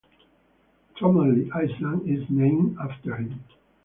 Tromelin Island is named after him.